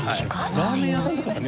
ラーメン屋さんとかはね。